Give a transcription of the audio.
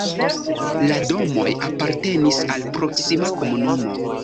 La domoj apartenis al proksima komunumo.